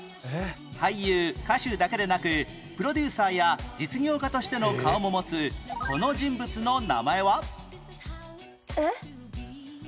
俳優歌手だけでなくプロデューサーや実業家としての顔も持つこの人物の名前は？えっ？